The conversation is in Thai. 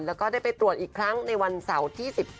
แล้วก็ได้ไปตรวจอีกครั้งในวันเสาร์ที่๑๙